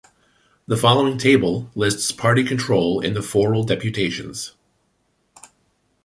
The following table lists party control in the foral deputations.